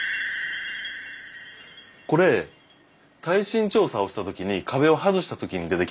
これ耐震調査をした時に壁を外した時に出てきたんです。